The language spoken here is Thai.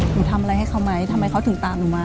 หนูทำอะไรให้เขาไหมทำไมเขาถึงตามหนูมา